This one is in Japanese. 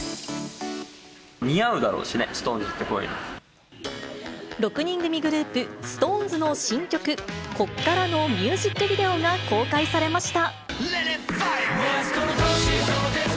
似合うだろうしね、６人組グループ、ＳｉｘＴＯＮＥＳの新曲、こっからのミュージックビデオが公開されました。